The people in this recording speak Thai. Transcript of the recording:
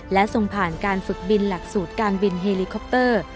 และส่งผ่านการฝึกบินหลักสูตรการบินเฮลิคอปเตอร์